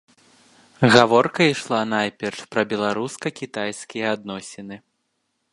Гаворка ішла найперш пра беларуска-кітайскія адносіны.